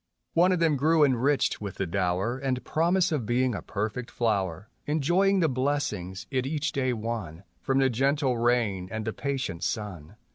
40 SOWN. One of them grew enriched with the dower And promise of being a perfect flower, Enjoying the blessings it each day won From the gentle rain and the patient sun.